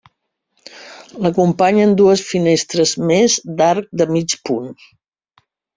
L'acompanyen dues finestres més d'arc de mig punt.